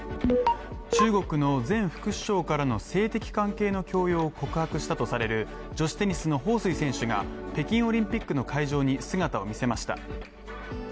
中国の前副首相からの性的関係の強要を告白したとされる女子テニスの彭帥選手が北京オリンピックの会場に姿を見せました。